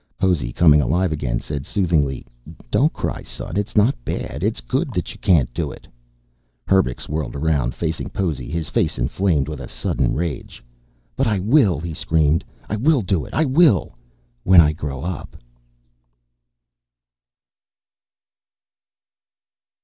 Possy, coming alive again, said soothingly, "Don't cry, son. It's not bad. It's good, that you can't do it." Herbux whirled around, facing Possy, his face inflamed with a sudden rage. "But I will," he screamed, "I will do it! I will! _When I grow up!